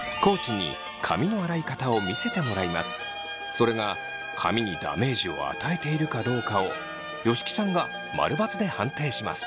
それが髪にダメージを与えているかどうかを吉木さんがマルバツで判定します。